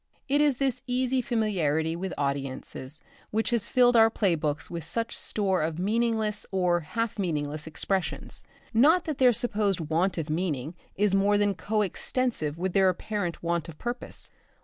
It is this easy familiarity with audiences which has filled our play books with such store of meaningless or half meaningless expressions. Not that their supposed want of meaning is more than co extensive with their apparent want of purpose.